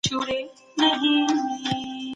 ولي ځان سره مینه لرل د سالم ذهن بنسټ دی؟